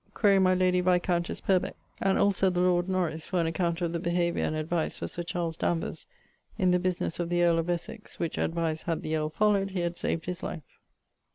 Quaere my lady viscountesse Purbec and also the lord Norris for an account of the behaviour and advice of Sir Charles Danvers in the businesse of the earl of Essex, which advice had the earle followed he had saved his life.